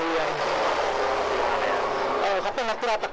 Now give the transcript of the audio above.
เรื่องของทุกคนที่มาทุกคน